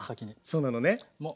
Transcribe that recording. そうなのね。